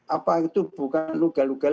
apa itu bukan luga lugal